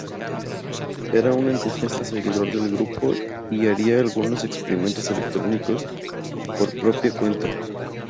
Era un entusiasta seguidor del grupo y haría algunos experimentos electrónicos por propia cuenta.